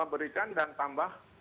berikan dan tambah